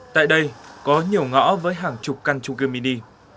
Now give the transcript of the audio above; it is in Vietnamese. tại đây có nhiều ngõ với hàng chục căn chung cư mini